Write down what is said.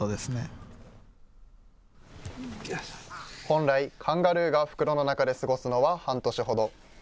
本来、カンガルーが袋の中で過ごすのは半年ほど。